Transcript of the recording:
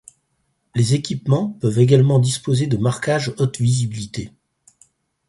Les équipements peuvent également disposer de marquage haute visibilité.